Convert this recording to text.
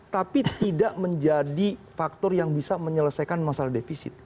tapi tidak menjadi faktor yang bisa menyelesaikan masalah defisit